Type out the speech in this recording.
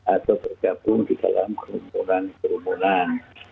atau bergabung di dalam kerumunan kerumunan